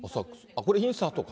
これインサート？